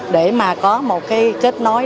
để mà có một cái kết nối